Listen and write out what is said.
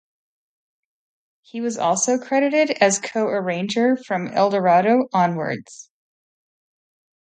He was also credited as co-arranger from "Eldorado" onwards.